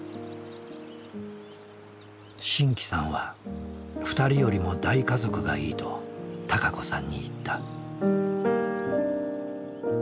真気さんは「２人よりも大家族がいい」と孝子さんに言った。